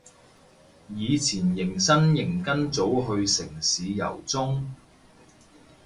以前迎新營跟組去城市遊蹤